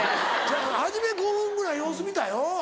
初め５分ぐらい様子見たよ。